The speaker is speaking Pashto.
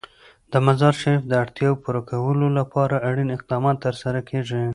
د مزارشریف د اړتیاوو پوره کولو لپاره اړین اقدامات ترسره کېږي.